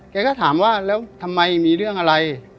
แกก็ถามว่าแล้วทำไมมีเรื่องอะไร